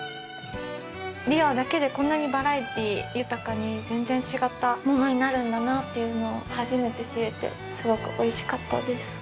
ビワだけでこんなにバラエティー豊かに全然違ったものになるんだなっていうのを初めて知れてすごくおいしかったです。